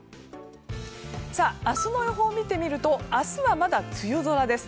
明日の予報を見てみると明日はまだ梅雨空です。